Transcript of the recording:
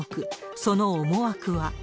その思惑は。